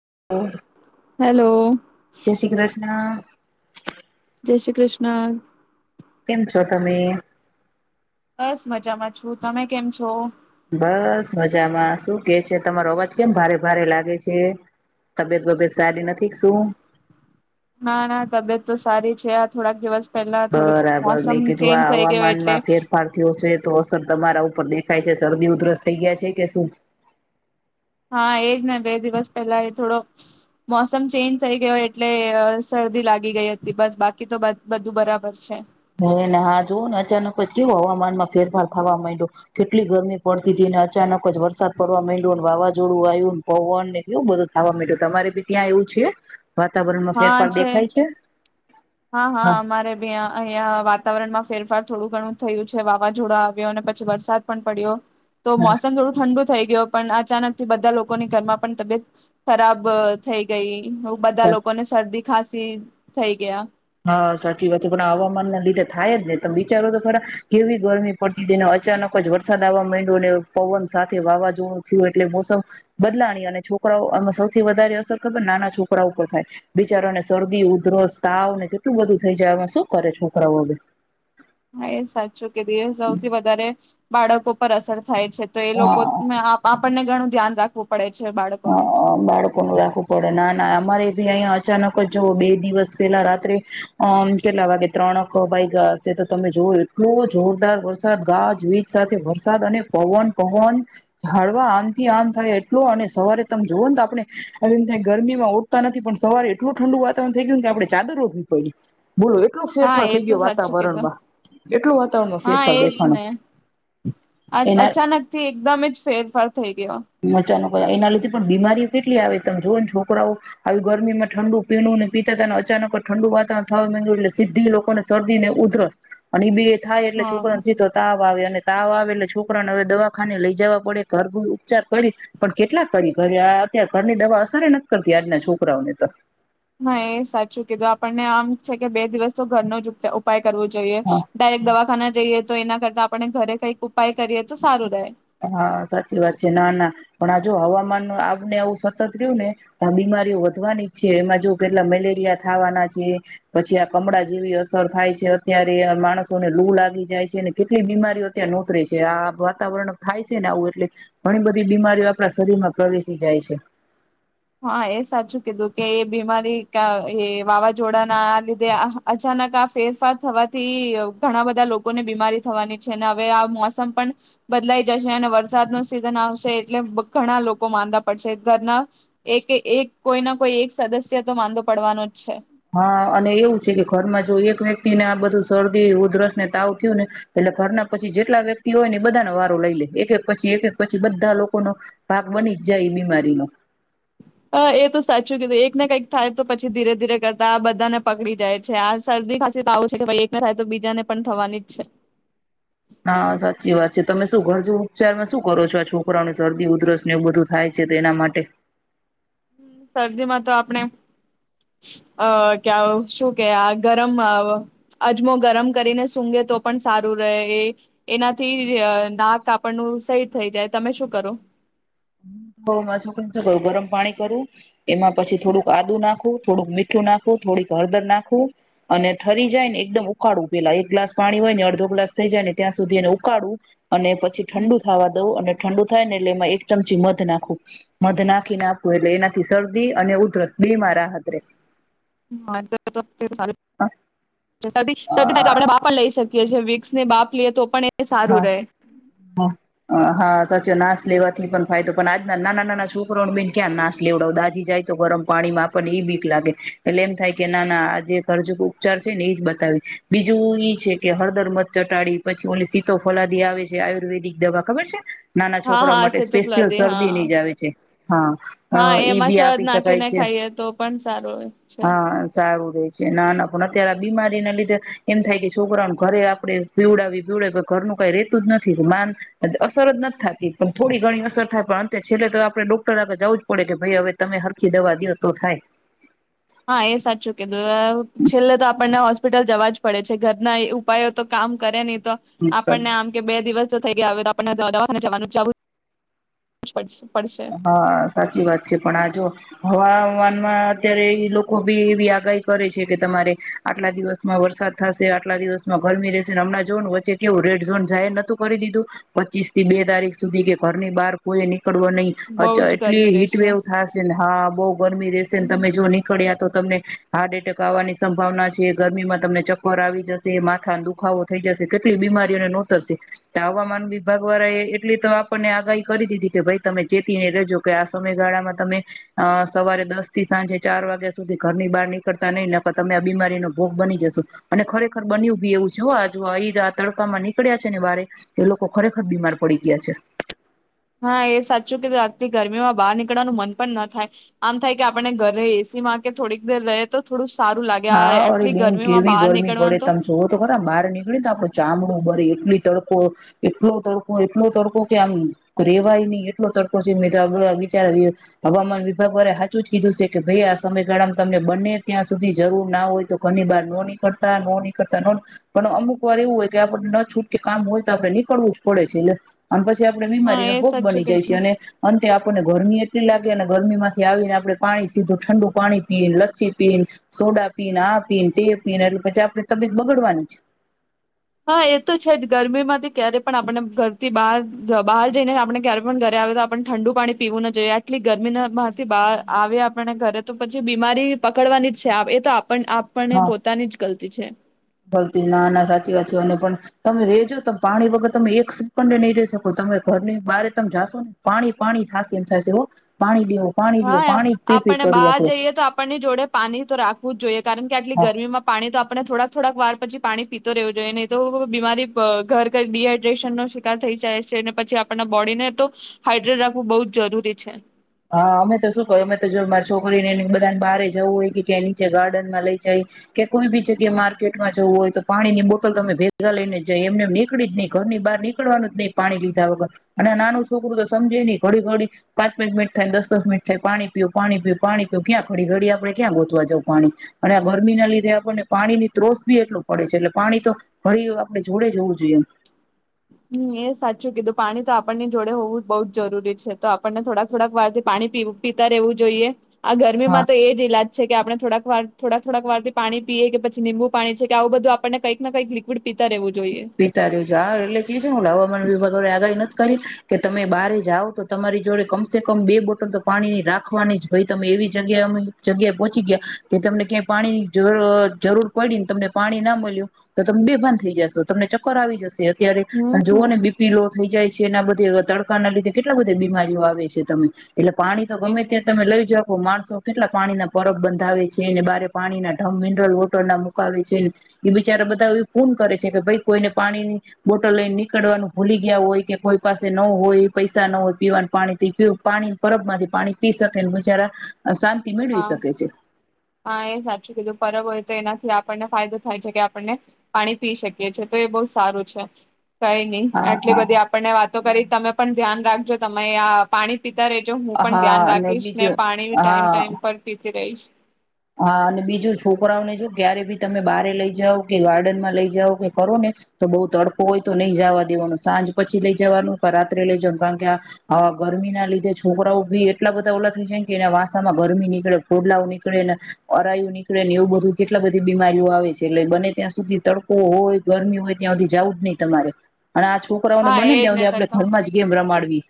[unintelligible] Hello. Shri Krishna જય શ્રી કૃષ્ણ. કેમ છો તમે? બસ મજામાં છું, તમે કેમ છો? બસ મજામાં. શું કે છે તમારો અવાજ કેમ ભારે ભારે લાગે છે તબિયત બબિયત સારી નથી શું? ના ના તબિયત તો સારી છે આ થોડાક દિવસ પહેલા થોડીક બરાબર મોસમ મેં કીધું ચેન્જ આ થઈ ગયો એટલે હવામાનમાં ફેરફાર થીયો છે તો અસર તમારા ઉપર દેખાય છે. શરદી, ઉધરસ થઈ ગયા છે કે શું? હા એજ ને બે દિવસ પહેલા એ થોડો મોસમ ચેન્જ થઈ ગયો એટલે શરદી લાગી ગઈ હતી. બસ બાકી તો બધ બધું બરાબર છે. હને હા જોવ ને અચાનક જ કેવું હવામાનમાં ફેરફાર થવા માંડ્યો. કેટલી ગરમી પડતી હતી ને અચાનક જ વરસાદ પડવા માંડ્યો ને વાવાઝોડું આવ્યું ને પવન ને કેવું બધું થવા માંડ્યું. તમારે બી ત્યાં એવું છે? વાતાવરણ માં ફેરફાર દેખાય છે? હા હા અમારે ભી અહિયાં વાત તાવરણમાં ફેરફાર થોડું ઘણું થયું છે વાવાઝોડાું આવ્યો અને પછી વરસાદ પણ પડ્યો. તો હા મોસમ થોડું ઠંડુ થઈ ગયો પણ અચાનક થી બધા લોકોની ઘરમાં પણ તબિયત ખરાબ થઈ ગઈ. હું બધા સાચું લોકો ને શરદી ખાસી થઈ ગયા. હા સાચી વાત પણ આવો હવામાન ના લીધે થાયજ ને તમે વિચારો તો ખરા, કેવી ગરમી પડતી હતીને અચાનક જ વરસાદ આવવા માંડ્યો ને પવન સાથે વાવાઝોડું થયું એટલે મોસમ બદલાણી અને છોકરાઓમાં સૌથી વધારે અસર ખબર નાના છોકરા ઉપર થાય, બિચારોને શરદી, ઉધરસ, તાવ ને કેટલું બધું થઇ જાય. એમાં શું કરે છોકરાઓ બી. હા, એ સાચું. [unintelligible] સૌથી વધારે બાળકો પર અસર થાય છે. તો એ લોકો હા ને આપ આપ આપણને ઘણું ધ્યાન રાખવું પડે. છે બાળકોનું હા, બાળકો ન રાખવું પડે. ના ના અમારે ભી અહીંયા અચાનક જ જો બે દિવસ પેલા રાત્રે અહ કેટલા વાગે ત્રણક વાઈગા હશે, તો તમે જોવ એટલો જોરદાર વરસાદ, ગાજવીજ સાથે વરસાદ અને પવન પવન ઝાડવા આમથી આમ થાય એટલો અને સવારે તમે જોવ તો આપણે [unintelligible] ગરમીમાં ઉઠતા નથી પણ સવારે એટલું ઠંડુ વાતાવરણ થઈ ગયું ને કે આપડે ચાદર ઓઢવી પેઇડી. હા, એતો સાચું કીધું. એટલો વાતાવરણમાં હા, ફેરફાર દેખાણો એજને એના અચાનક થી એકદમજ ફેરફાર થઈ ગયો. અચાનક એના લીધે પણ બીમારીઓ કેટલી આવે, તમે જો ને છોકરાઓ આવી ગરમીમાં ઠંડુ પીણું ને પીતા હતા ને અચાનક ઠંડુ વાતાવરણ થવા માંડ્યું એટલે સીધી લોકો ને શરદી ને ઉધરસ અને એ બે થાય, એટલે હમ. છોકરોને સીધો તાવ આવે અને તાવ આવે એટલે છોકરાને હવે દવાખાને લઈ જવા પડે ઘર [unintelligible] ઉપચાર કરી, પણ કેટલા કરી ઘરે આ અત્યારે ઘરની દવા અસરે નથી કરતી આજના છોકરાઓને તો. હા એ સાચું કીધું આપણને આમ છે કે બે દિવસ તો ઘરનો જ ઉપચા ઉપાય કરવું જોઈએ. ડાયરેક્ટ દવાખાના જઈએ તો એના કરતા આપણે ઘરે કંઈક ઉપાય કરીએ તો સારું રહે. હા સાચી વાત છે, ના ના પણ આ જો હવામાન આવ ને આવું સતત રયુ ને તો આ બીમારીઓ વધવાની જ છે. એમાં જો કેટલા મેલેરિયા થવાના છે. પછી આ કમળ જેવી અસર થાય છે અત્યારે માણસોને લૂ લાગી જાય છે, અને કેટલી બીમારીઓ અત્યારે નોતરે છે, આ વાતાવરણ થાય છે ને આવું એટલે ઘણી બધી બીમારીઓ આપણા શરીરમાં પ્રવેશી જાય છે. હા એ સાચું કીધું કે એ બીમારી કા એ વાવાઝોડાના લીધે અચાનક આ ફેરફાર થવાથી ઘણા બધા લોકોને બીમારી થવાની છે, અને હવે આ મોસમ પણ બદલાઈ જશે અને વરસાદનો સિઝન આવશે એટલે ઘણા લોકો માંદા પડશે. ઘરના એકએ એક કોઈના કોઈ એક સદસ્ય તો માંદો પડવાનો જ છે. હા, અને એવું છે કે ઘરમાં જો એક વ્યક્તિને આ બધું શરદી ઉધરસ ને તાવ થ્યુને એટલે ઘરના પછી જેટલા વ્યક્તિ હોય ને એ બધાનો વારો લઈલે, એક એક પછી એક એક પછી બધા લોકોનો ભાગ બની જ જાય એ બીમારીનો. હા, એ તો સાચું કીધું એક ને કઈક થાય તો પછી ધીરે ધીરે કરતા આ બધાને પકડી જાય છે. આ શરદી ખસી તાવ છે એકને થાય તો બીજાને પણ થવાની જ છે. હા સાચી વાત છે, તમે શું ઘરજુ ઉપચારમાં શું કરો છો આ છોકરાઓને શરદી ઉધરસ ને એવું બધું થાય છે તો એના માટે? શરદીમાં તો આપણે, અહ શું કે આ ગરમ [unintelligible] અજમો ગરમ કરીને સુંઘે તો પણ સારું રહે એ એનાથી નાક આપણનું સહી થઈ જાય, તમે શું કરો? હું મારા છોકરાને શું કરું, ગરમ પાણી કરું એમાં પછી થોડુંક આદું નાખું, થોડુંક મીઠું નાખું, થોડીક હળદર નાખું, અને ઠરી જાય ને એકદમ ઉકાડુ પેલા એક ગ્લાસ પાણી હોયને અડધો ગ્લાસ થઈ જાય ને ત્યાં સુધી એને ઉકાડુ. અને પછી હમ. ઠંડુ થવા દઉં અને ઠંડુ થાય ને એટલે એમાં એક ચમચી મધ [unintelligible] નાખું, મધ નાખીને આપું એટલે એનાથી શરદી અને ઉધરસ બેમાં રાહત રેય. [inaudible] શરદી, શરદી થાય તો આપણે હા ભાપ પણ લઈ શકીએ. કે જે વિક્સ ને બાફ લઈએ તો પણ એ સારું હા, રહે હા, અ હા સચો નાસ લેવાથી પણ ફાયદો પણ આજના નાના નાના છોકરાઓને બેન ક્યાં નાશ લેવડાવ. દાજી જાય તો ગરમ પાણીમાં આપણને ઈ બીક લાગે. એટલે એમ થાય કે નાના આ જે કરજુક ઉપચાર છે ને ઈ જ બતાવી. બીજું ઈ છે કે હળદર મધ ચટાડી પછી ઓલી સી તો ફોલાદી આવે છે. આયુર્વેદિક દવા, ખબર છે? નાના હા છોકરાઓ હા માટે અસેતો સ્પેશિયલ પ્લદે હા શરદીની જ આવે છે. હા, હા અ ઈ એમાં બી શહદ આપી શકાય નાખીને છે. ખાઈએ તો પણ સારું છે. હા સારું. નાના પણ અત્યારે આ બીમારીના લીધે એમ થાય કે છોકરાઓને ઘરે આપડે પીવડાવી પીવ ઘરનું કાઈ રેતું જ નથી માન અસર જ નથી થાતી પણ થોડી ઘણી અસર થાય પણ અંતે છેલ્લે તો આપણે ડોક્ટર આગળ જાવું જ પડે કે ભાઈ હવે તમે હરખી દવા દયો તો થાય હા એ સાચું કીધું છેલ્લે તો આપણને હોસ હોસ્પિટલ જવા જ પડે છે ઘરના ઉપાયો તો કામ કરે નહીં તો થાય આપણને આમ કે બે દિવસ તો થઈ ગયા હવે તો આપણને દવાખાને જવાનું જાવું જ પડશે. પડશે. હા સાચી વાત છે પણ આ જો હવા હવામાનમાં અત્યારે ઈ લોકો બી એવી આગાહી કરે છે કે તમારે આટલા દિવસમાં વરસાદ થશે, આટલા દિવસમાં ગરમી રહેશે, હમણાં જોવોને વચ્ચે કેવું રેડ ઝોન જાહેર નતું કરી દીધું પચીસ થી બે તારીખ સુધી કે ઘરની બહાર કોઈએ નીકળવું બહુ અચ્છા જ એટલી ગરમી હીટ રહેશે વેવ થાશે ને હા બહુ ગરમી રહેશે ને તમે જો નીકળ્યા તો તમને હાર્ટ એટેક આવવાની સંભાવના છે, ગરમીમાં તમને ચક્કર આવી જશે, માથાનો દુખાવો થઈ જશે, કેટલી બીમારીઓને નોતરશે. તે હવામાન વિભાગવાળા એ એટલી તો આપણને આગાહી કરી દીધી કે ભાઈ તમે ચેતીને રેજો કે આ સમયગાળામાં તમે અ સવારે દસ થી સાંજે ચાર વાગ્યા સુધી ઘરની બહાર નીકળતા નહી નકર તમે આ બીમારીનો ભોગ બની જશો. અને ખરેખર બન્યું ભી એવું છે હો આ તડકામાં નીકળ્યા છે ને બારે એ લોકો ખરેખર બીમાર પડી ગયા છે. હા એ સાચું કીધું આજથી ગરમીમાં બહાર નીકળવાનું મન પણ ન થાય. આમ થાય કે આપણને ઘરે એસી માં કે થોડીક દેર રહે તો થોડું સારું લાગે આ હા અરે આટલી બેન ગરમીમાં કેવી બહાર ગરમી પડે નીકળવાનું તો તમે જોવો તો બહાર નીકળીને તો આપણું ચામડું બરે એટલી તડકો એટલો તડકો એટલો તડકો કે આમ રેવાય નહી એટલો તડકો છે મે તો વિચાર હવામાન વિભાગ વારાએ હાચું જ કીધું છે કે ભાઈ આ સમયગાળામાં તમને બંને ત્યાં સુધી જરૂર ના હોય તો ઘરની બાર નો નીકળતા નો નીકળતા નો પણ અમુક વાર એવું હોય કે આપણને ન છૂટકે કામ હોય તો આપણે નીકળવું જ પડે છે અને પછી જે આપણે હા એ બીમારીનો ભોગ સાચું બની કીધું જઈ છે. અને અંતે આપ આપણને ગરમી એટલી લાગે અને ગરમીમાંથી આવી ને આપણે પાણી સીધું ઠંડુ પાણી પી, ને લસ્સી પીને સોડા પીને, આ પીને, તે પીને એટલે પછી આપણે તબિયત બગડવાની જ હા એ તો છે જ ગરમીમાંથી ક્યારે પણ આપણે ઘરથી બહાર બહાર જઈને આપણે ક્યારે પણ ઘરે આવે તો આપણને ઠંડુ પાણી પીવું ન જોઈએ. આટલી ગરમી માંથી બહાર આવે આપને ઘરે તો પછી બીમારી પકડવાની જ છે એ તો આપણ આપણને હા પોતાની જ ગલતી છે ગલતી ના ના સાચી વાત છે અને પણ તમે રેજો તમે પાણી વગર તમે એક સેકન્ડએ નહી રહી શકો. તમે ઘરની બારે તમે જાશો ને પાણી પાણી થાશે એમ થાશે હો પાણી દયો. હા આપણને બહાર જઈએ તો આપણની જોડે પાણી તો રાખવું જ જોઈએ. કારણ કે આટલી હા ગરમીમાં પાણી તો.. આપણે થોડાક થોડાક વાર પછી પાણી પીતો રહેવું જોઈએ. નહીં તો બીમારી પ ઘર કર ડીહાઈડ્રેશનનો શિકાર થઈ જાય છે. ને પછી આપણના બોડીને તો હાઇડ્રેટ રાખવું બહુ જ જરૂરી છે. હા અમે તો શું કરી અમે તો જો મારી છોકરીને ને બધાને બારે જવું હોય કે, ક્યાંય નીચે ગાર્ડનમાં લઈ જાય કે કોઈ બી જગ્યાએ માર્કેટમાં જવું હોય તો પાણીની બોટલ તો અમે ભેગા લઈને જઈ એમને એમ નીકળી જ નહીં ઘરની બહાર નીકળવાનું જ નહી પાણી લીધા વગર અને નાનું છોકરું તો સમજે નહીં ઘડી ઘડી પાંચ પાંચ મિનટ થાયને દસ દસ મિનિટે થાય પાણી પીવું પાણી પીવું પાણી પીવું ક્યાં ઘડી ઘડી આપણે ક્યાં ગોતવા જઉ પાણી અને આ ગરમીના લીધે આપણને પાણીની ત્રોસ બી એટલું પડે છે. એટલે પાણી તો ઘડીએ આપણી જોડે જ હોવું જોઈએ. હમ એ સાચું કીધું પાણી તો આપણની જોડે હોવું જ બહુ જરૂરી છે. તો આપણને થોડાક થોડાક વારથી પાણી પીતા રહેવું જોઈએ. આ હા ગરમીમાં તો એ જ ઈલાજ છે કે આપણે.. થોડાક વાર થોડાક થોડાક વારથી પાણી પીએ કે પછી નિમ્બુ પાણી છે કે આવું બધું આપણને કંઈક ને કંઈક લિક્વિડ પીતા રહેવું જોઈએ પીતા રહેવું જોઈએ હા એટલે જ ઓલા હવામાન વિભાગવાળાએ આગાહી નથ કરી કે તમે બારે જાઓ તો તમારી જોડે કમસે કમ બે બોટલ તો પાણીની રાખ રાખવાની જ ભાઈ તમે એવી જગ્યાએ અમુક જગ્યાએ પહોંચી ગયા કે તમને ક્યાંય પાણીની જરૂર પડીને તમને પાણી ના મળ્યું તો તમે બેભાન થઈ જાશો તમને ચક્કર આવી જશે. ત્યારે અ જોવો હમ ને બીપી લો થઈ જાય છે. તેના બધે તડકાના લીધે કેટલા બધી બીમારીઓ આવે છે તમે. એટલે પાણી તો એ ગમે ત્યાં તમે લઈ જાવ પ માણસ તો કેટલા પાણીના પરબ બંધાવે છે ને બારે પાણીના ઢમ મિનરલ વોટરના મુકાવ છે ન ઈ બિચારા બધા એ પુન કરે છે કે ભઈ કોઈને પાણીની બોટલ લઈન નીકળવાનું ભૂલી ગ્યા હોય કે કોઈ પાસે ન હોય પૈસા ન હોય પીવાનું પાણી થી પીવ પાણી ન પરબમાંથી પાણી પી શકે ન બેચારા અ શાંતિ હા મેળવી શકે છે. હા, એ સાચું કીધું પરબ હોય તો એનાથી આપણને ફાયદો થાય છે કે આપણને પાણી પી શકીએ છે. તો એ બોવ સારું છે. કાઈ નઈ હા આટલી બધી હા આપણને વાતો કરી તમે પણ ધ્યાન રાખજો તમે આ પાણી પીતા રેજો. હું પણ ધ્યાન હા અને રાખીશ ને બીજું પાણી ટાઈમ હા ટાઈમ પર પી તી રઇશ. હા અને બીજું છોકરાઓને જો ક્યારે બી તમે બારે લઈ જાઓ કે ગાર્ડનમાં લઈ જાઓ કે કરો ને, તો બહુ તડકો હોય તો નહી જવા દેવાનું. સાંજ પછી લઈ જવાનું ક રાત્રે લઈ જવાનું. કારણ કે આવા ગરમી ના લીધે છોકરાઓ ભી એટલા બધા ઓલા થઈ જાય કે એના વાસામાં ગરમી નીકળે, ફોડલા નીક કળે ના અરાયું નીકળે ને એવું બધું કેટલા બધી બીમારીઓ આવે છે. એટલે બને ત્યાં સુધી તડકો હોય ગરમી હોય ત્યાં સુધી જવું જ નહી તમારે. અને આ છોકરાઓને હા બનેના એજ ત્યા ને હુદી આપડે તડકા ઘરમાં જ ગેમ રમાડવી.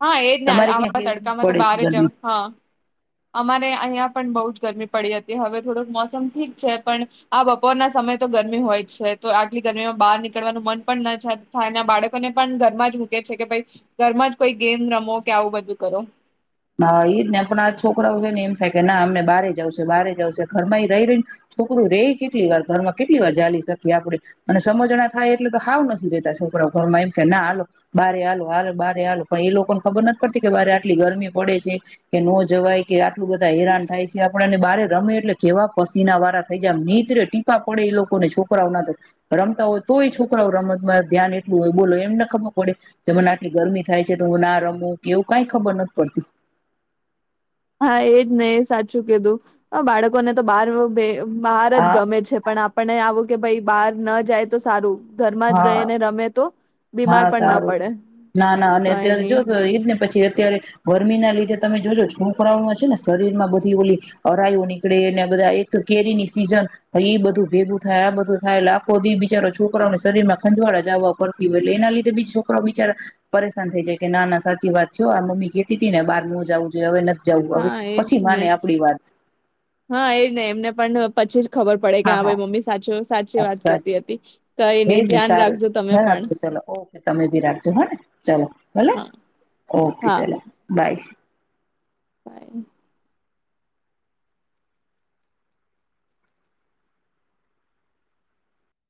હા, એજ ના તમારે ક્યાં આવા કેવી તડકામાં તો પડે છે બારે ગરમી જવ હા. અમારે અહીયા પણ બહુ જ ગરમી પડી હતી. હવે થોડુંક મોસમ ઠીક છે, પણ આ બપોરના સમય તો ગરમી હોય જ છે. તો આટલી ગરમીમાં બહાર નીકળવાનું મન પણ ના છ થાય. આ બાળકોને પણ ઘરમાં જ મૂકે છે કે ભઈ ઘરમાં જ કોઈ ગેમ રમો કે આવું બધું કરો. હા એજ ને પણ આ છોકરાઓને એમ થાય કે ના અમને બારે જાઉં છે બારે જાઉં છે. ઘરમાં એ રહી રહીને છોકરું રહી કેટલી વાર ઘરમાં કેટલી વાર જાલી શકીએ આપડે અને સમજણા થાય એટલે તો હાવ નથી રેતા છોકરાઓ ઘરમાં. એમ કે ના આલો બારે આલો આ બારે આલો પણ એ લોકોને ખબર નથ પડતી કે બારે આટલી ગરમી પડે છે. કે નો જવાય કે આ લોક બધા હેરાન થાય છે. આપણાને બારે રમે એટલે કેવા પસીના વારા થઈ જાય. આમ નીત્રે ટીપા પડે એ લોકોને છોકરાઓ ના તો. રમતા હોય તોય છોકરાઓ રમત માં ધ્યાન એટલું હોય બોલો એમને ખબર પડે કે મને આટલી ગરમી થાય છે તો હું ના રમું કે એવું કઈ ખબર નથ પડતી. હા એજ ને એ સાચું કીધું. આ બાળકોને તો બાર રુપ બે બહાર જ હા ગમે છે. પણ આપણને આવું કે ભઈ બહાર ન જાય તો સારું. ઘરમાં જ હા રહીને રમે તો હા બીમાર પણ ન સારું છે. પડે ના ના અને કઈ અત્યારે નહી જો એજ ને પછી અત્યારે ગરમી ના લીધે તમે જોજો છોકરાઓમાં છે ને શરીર માં બધી ઓલી, અરાયું નીકળે ને બધા એક કેરી ની સીઝન, એ બધું ભેગું થાય આ બધું થાય લાખો દી બિચારો છોકરાઓને શરીર માં ખંજવાળા જવા પડતી હોય એટલે એના લીધે બીજ છોકરો બિચાર, પરેશાન થઈ જાય કે ના ના સાચી વાત છે આ મમ્મી કેેતી ને બહાર ન જવું જોઈએ હવે નથી જવું હવે હા એજ પછી ને, માને આપડી વાત હા એજ ને એમને પણ પછી ખબર પડે હા કેં હવે હા મમ્મી સાચો સાચી વાત કેહતી હતી. કઈ હે નઈ ને ધ્યાન સારું, રાખજો તમે ધ્યાન પણ રાખજો ચલો ઓકે તમે ભી રાખજો હને ચલો ભલે હા ઓકે હા ચલો બાય. બાય.